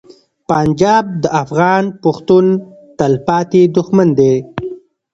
پنجاب د افغان پښتون تلپاتې دښمن دی.